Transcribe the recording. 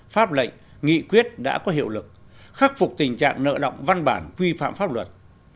pháp lệnh nghị quyết đã có hiệu lực khắc phục tình trạng nợ động văn bản quy phạm pháp luật